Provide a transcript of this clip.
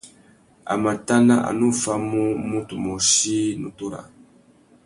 A mà tana a nu famú mutu môchï nutu râā.